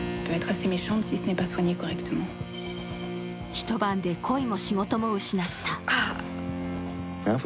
一晩で恋も仕事も失った。